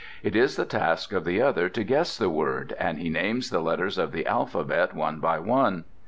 It is the task of the other to guess the word, and he names the letters of the alphabet one by one.